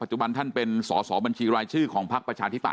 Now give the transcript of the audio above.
จุบันท่านเป็นสอสอบัญชีรายชื่อของพักประชาธิปัต